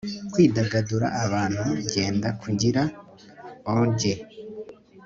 kwidagadura abantu, genda, kugira orgy